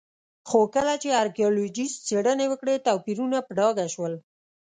خو کله چې ارکيالوجېسټ څېړنې وکړې توپیرونه په ډاګه شول